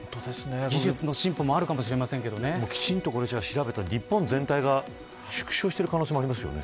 技術の進歩もあるかもきちんと調べたら日本全体が縮小している可能性もありますよね。